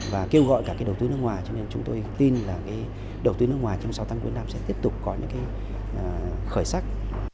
và kêu gọi cả đầu tư nước ngoài cho nên chúng tôi tin là đầu tư nước ngoài trong sáu tháng của việt nam sẽ tiếp tục có những khởi sắc